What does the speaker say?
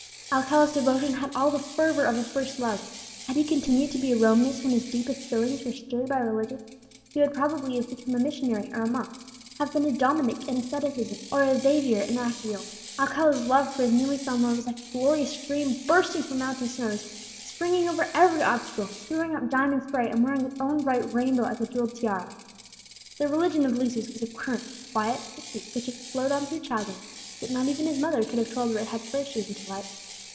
Alcala's devotion had all the fervour of a first love. Had he continued to be a Romanist when his deepest feelings were stirred by religion, he would probably have become a missionary or a monk have been a Dominic in asceticism, or a Xavier in active zeal. Alcala's love for his newly found Lord was like a glorious stream bursting from mountain snows, springing over every obstacle, throwing up diamond spray, and wearing its own bright rainbow as a jewelled tiara. The religion of Lucius was a current, quiet but deep, which had flowed on through childhood, so that not even his mother could have told where it had first risen to light.